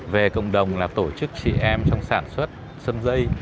về cộng đồng là tổ chức chị em trong sản xuất xâm dây